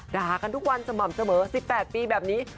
ด่ากันทุกวันสม่ำเสมอ๑๘ปีแบบนี้